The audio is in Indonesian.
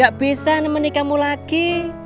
gak bisa nemenin kamu lagi